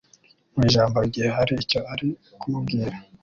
mu ijambo igihe hari icyo ari kumubwira